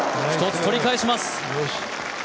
１つ取り返します。